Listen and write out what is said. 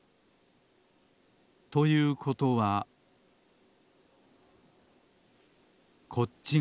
ということはこっちがほんもの